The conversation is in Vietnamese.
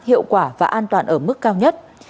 hiệu quả và an toàn ở mức cao nhất